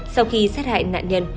sau khi sát hại nạn nhân